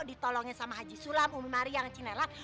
ditolongin sama haji sulam umi mariam cine lan